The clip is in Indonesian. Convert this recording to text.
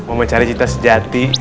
mau mencari cinta sejati